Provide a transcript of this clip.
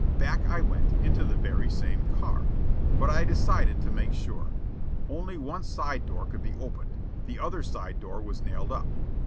Back I went, into the very same car. But I decided to make sure. Only one side door could be opened. The other side door was nailed up.